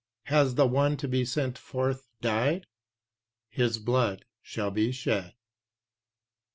"Has the one to be sent forth died?" "His blood shall be shed."